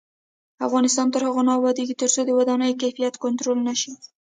افغانستان تر هغو نه ابادیږي، ترڅو د ودانیو کیفیت کنټرول نشي.